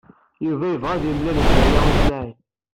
Yuba yebɣa ad yemlal d Baya U Smaɛil.